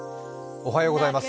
おはようございます。